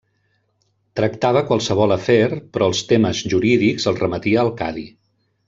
Tractava qualsevol afer però els temes jurídics els remetia al cadi.